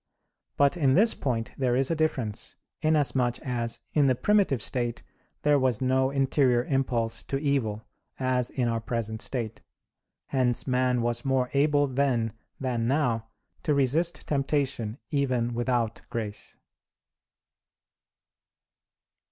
But in this point there is a difference, inasmuch as in the primitive state there was no interior impulse to evil, as in our present state. Hence man was more able then than now to resist temptation even without grace.